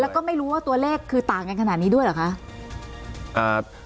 แล้วก็ไม่รู้ว่าตัวเลขคือต่างกันขนาดนี้ด้วยเหรอคะ